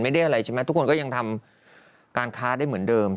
อะไรใช่ไหมทุกคนก็ยังทำการค้าได้เหมือนเดิม